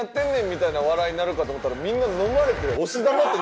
みたいな笑いになるかと思ったらみんなのまれて。